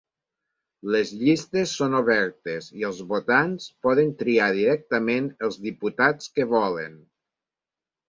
Les llistes són obertes i els votants poden triar directament els diputats que volen.